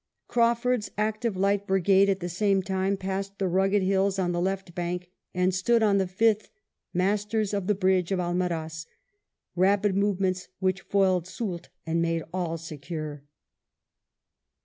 Crawford's active Light Brigade, at the same time, passed the rugged hills on the left bank, and stood on the 5th masters of the bridge of Almaraz, rapid movements which foiled Soult and made all secure.